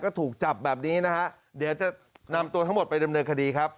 ก็ถูกจับแบบนี้นะฮะเดี๋ยวจะนำตัวทั้งหมดไปดำเนินคดีครับ